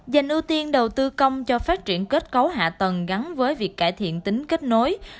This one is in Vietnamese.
dành ưu tiên đầu tư công cho phát triển kết cấu hạ tầng gắn với việc cải thiện tính kết nối